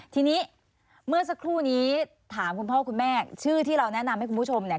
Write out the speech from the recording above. ทีนี้เมื่อสักครู่นี้ถามคุณพ่อคุณแม่ชื่อที่เราแนะนำให้คุณผู้ชมเนี่ย